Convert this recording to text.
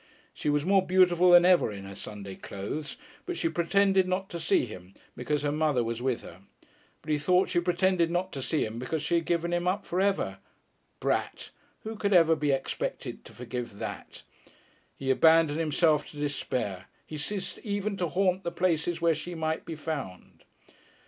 She was more beautiful than ever in her Sunday clothes, but she pretended not to see him because her mother was with her. But he thought she pretended not to see him because she had given him up for ever. Brat! who could be expected ever to forgive that? He abandoned himself to despair, he ceased even to haunt the places where she might be found.